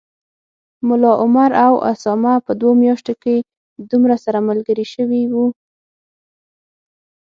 ملا عمر او اسامه په دوو میاشتو کي دومره سره ملګري شوي و